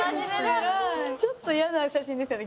ちょっと嫌な写真ですよね。